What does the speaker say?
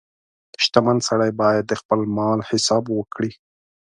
• شتمن سړی باید د خپل مال حساب وکړي.